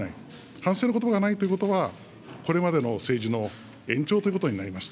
反省のことばがないということは、これまでの政治の延長ということになります。